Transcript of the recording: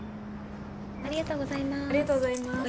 ありがとうございます。